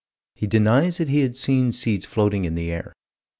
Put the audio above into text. He denies that he had seen seeds floating in the air.